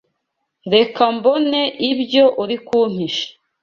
Reka mbone ibyo uri kumpisha.